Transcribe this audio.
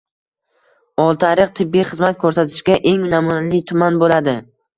Oltiariq tibbiy xizmat ko‘rsatishda eng namunali tuman bo‘ladi